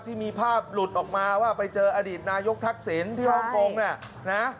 ที่มีภาพหลุดออกมาว่าไปเจออดีตนายกทักษิณที่ฮ่องกงเนี่ยนะ